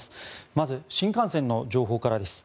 まず新幹線の情報からです。